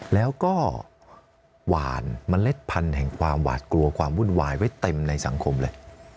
แล้วก็หวานเมล็ดพันธุ์แห่งความหวาดกลัวความวุ่นวายไว้เต็มในสังคมเลย